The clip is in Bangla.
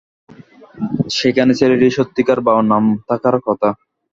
সেখানে ছেলেটির সত্যিকার বাবার নাম থাকার কথা।